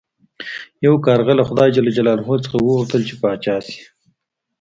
یو کارغه له خدای څخه وغوښتل چې پاچا شي.